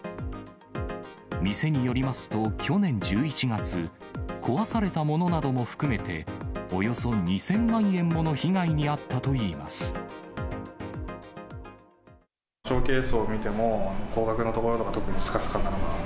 店によりますと、去年１１月、壊されたものなども含めて、およそ２０００万円もの被害に遭ショーケースを見ても、高額の所とか、特にすかすかなのが。